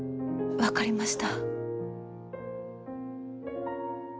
分かりました。